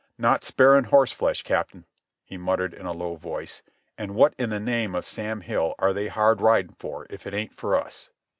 "Not sparin' horseflesh, Captain," he muttered in a low voice. "An' what in the name of Sam Hill are they hard riding for if it ain't for us?"